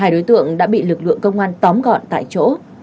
hai đối tượng đã bị lực lượng công an tóm gọn tại chỗ